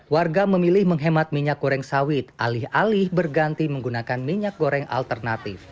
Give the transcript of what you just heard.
warga memilih menghemat minyak goreng sawit alih alih berganti menggunakan minyak goreng alternatif